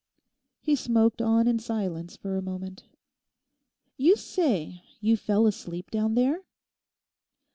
He smoked on in silence for a moment. 'You say you fell asleep down there?